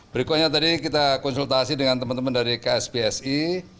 berikutnya tadi kita konsultasi dengan teman teman dari ksbsi